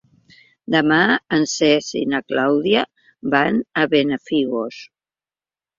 Demà en Cesc i na Clàudia van a Benafigos.